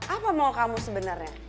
apa mau kamu sebenarnya